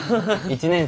１年生？